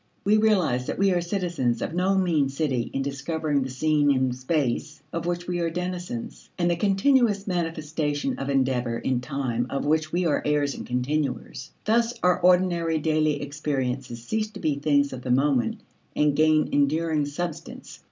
We realize that we are citizens of no mean city in discovering the scene in space of which we are denizens, and the continuous manifestation of endeavor in time of which we are heirs and continuers. Thus our ordinary daily experiences cease to be things of the moment and gain enduring substance.